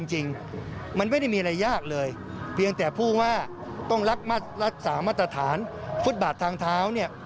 รักลักษณะศาสตร์มาตรฐานฟุตบาททางเท้า